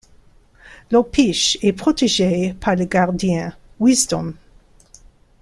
L'Hopish est protégé par le Gardien, Wisdom.